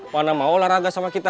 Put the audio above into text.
mana mau olahraga sama kita